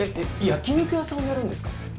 焼き肉屋さんをやるんですか？